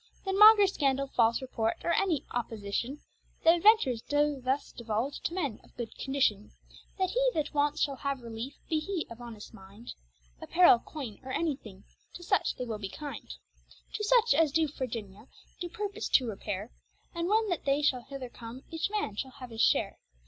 Then maugre scandall, false report, or any opposition, Th' adventurers doe thus devulge to men of good condition, That he that wants shall have reliefe, be he of honest minde, Apparel, coyne, or any thing, to such they will be kinde. To such as to Virginia do purpose to repaire; And when that they shall hither come, each man shall have his share.